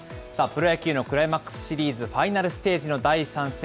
プロ野球のクライマックスシリーズファイナルステージ第３戦。